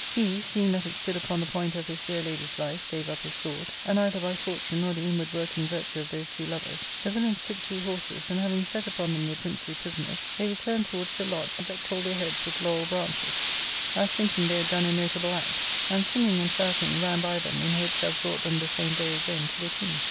He, seeing that it stood upon the point of his dear lady's life, gave up his sword ; and, either by fortune or the inward working virtue of those two lovers, the villains took two horses, and having set upon them their princely prisoners, they returned towards the lodge, having decked all their heads with laurel branches, as thinking they had done a notable act, and, singing and shouting, ran by them in hope to have brought them the same day again to the king.